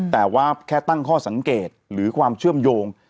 แต่ว่าแค่ตั้งข้อสังเกตหรือความเชื่อมโยง